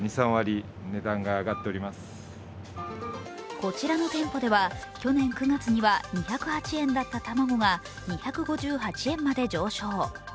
こちらの店舗では去年９月には２０８円だった卵が２５８円まで上昇。